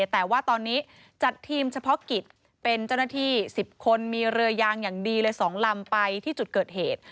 แต่ว่าตอนนี้จัดทีมเฉพาะกิจเป็นเจ้าหน้าที่๑๐คนมีเรือยางอย่างดีเลย๒ลำไปที่จุดเกิดเหตุ